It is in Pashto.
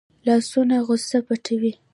لاسونه غصه پټوي